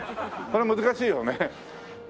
それは難しいよね。